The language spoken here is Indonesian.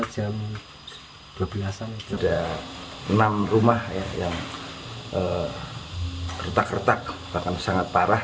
sudah enam rumah yang retak retak bahkan sangat parah